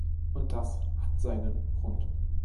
Und das hat seinen Grund.